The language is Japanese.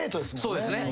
そうですね。